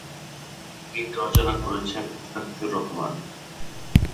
গীত রচনা করেছেন মুস্তাফিজুর রহমান।